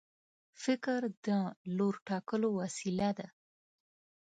فکر د لور ټاکلو وسیله ده.